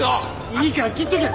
いいから切っとけ！